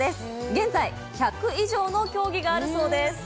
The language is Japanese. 現在、１００以上の競技があるそうです。